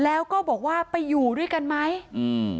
แล้วก็บอกว่าไปอยู่ด้วยกันไหมอืม